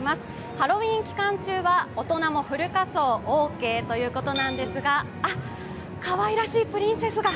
ハロウィーン期間中は大人もフル仮装オーケーということなんですがかわいらしいプリンセスが！